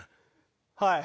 はい。